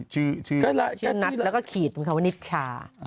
ชื่อนัทเราก็ขีดคือว่านิชชา